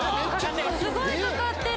すごいかかってる！